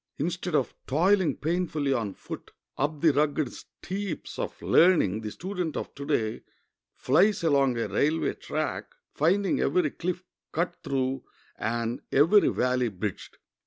Instead of toiling painfully on foot up the rugged steeps of learning the student of to day flies along a railway track, finding every cliff cut through and every valley bridged.